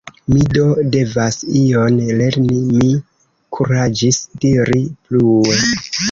Mi do devas ion lerni, mi kuraĝis diri plue.